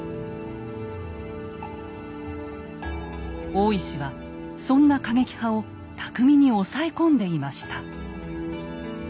大石はそんな過激派を巧みに押さえ込んでいました。